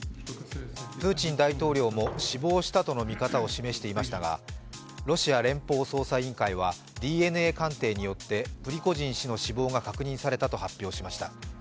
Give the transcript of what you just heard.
プーチン大統領も死亡したとの見方を示していましたがロシア連邦捜査委員会はＤＮＡ鑑定によってプリゴジン氏の死亡が確認されたと発表しました。